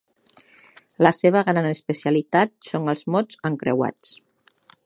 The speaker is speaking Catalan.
La seva gran especialitat són els mots encreuats.